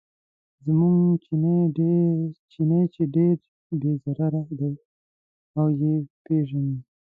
زموږ چیني چې دی ډېر بې ضرره دی او یې پیژني.